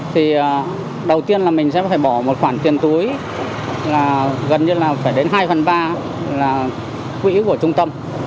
thì đầu tiên là mình sẽ phải bỏ một khoản tiền túi là gần như là phải đến hai phần ba là quỹ của trung tâm